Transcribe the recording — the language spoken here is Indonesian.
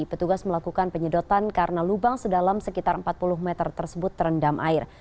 petugas melakukan penyedotan karena lubang sedalam sekitar empat puluh meter tersebut terendam air